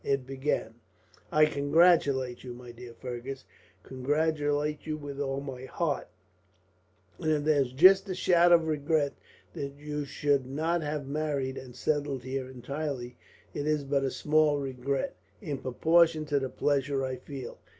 It began: "I congratulate you, my dear Fergus, congratulate you with all my heart; and if there is just a shadow of regret that you should not have married and settled here entirely, it is but a small regret, in proportion to the pleasure I feel.